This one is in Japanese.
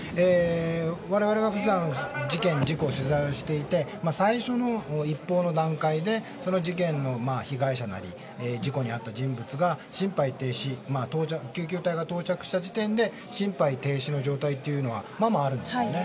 我々、普段事件や事故を取材して最初の一報の段階でその事件の被害者なり事故に遭った人物が救急隊が到着した時点で心肺停止の状態というのはままあるんですね。